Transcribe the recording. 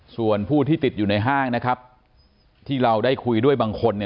ส่วนผู้ที่ติดอยู่ในห้างนะครับที่เราได้คุยด้วยบางคน